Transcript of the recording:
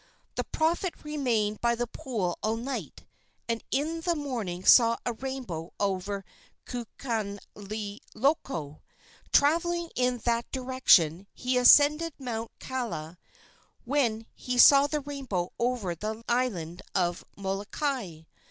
The prophet remained by the pool all night, and in the morning saw a rainbow over Kukaniloko. Traveling in that direction, he ascended Mount Kaala, when he saw the rainbow over the island of Molokai.